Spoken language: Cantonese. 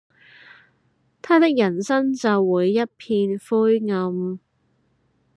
他的人生就會一片灰暗